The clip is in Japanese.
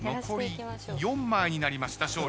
残り４枚になりました